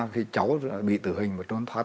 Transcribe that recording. khi cháu bị tử hình và trốn thoát